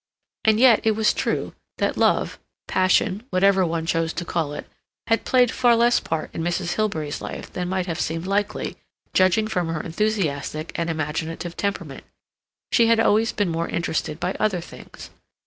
And yet it was true that love—passion—whatever one chose to call it, had played far less part in Mrs. Hilbery's life than might have seemed likely, judging from her enthusiastic and imaginative temperament. She had always been more interested by other things.